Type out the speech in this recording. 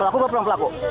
pelaku apa pelaku